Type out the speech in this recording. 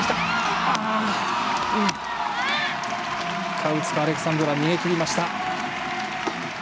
カウツカ・アレクサンドラ逃げきりました。